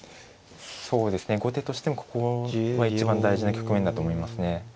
後手としてもここは一番大事な局面だと思いますね。